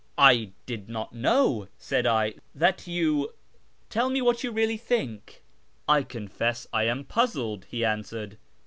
" 1 did not know," said I, " that you .... Tell me what you really think. ..."" I confess I am puzzled," he answered.